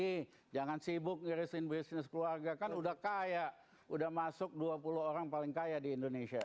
nih jangan sibuk ngirisin bisnis keluarga kan udah kaya udah masuk dua puluh orang paling kaya di indonesia